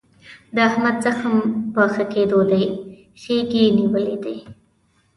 د احمد زخم په ښه کېدو دی. خیګ یې نیولی دی.